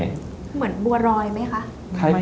เหมือนบัวรอยไหมคะ